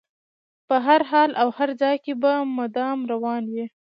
په هر حال او هر ځای کې به مدام روان وي.